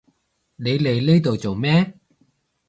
你嚟呢度做咩？